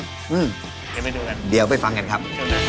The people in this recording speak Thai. เดี๋ยวไปดูกันเดี๋ยวไปฟังกันครับ